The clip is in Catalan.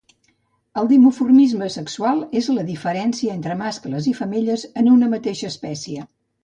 El dimorfisme sexual és la diferència entre mascles i femelles en una mateixa espècie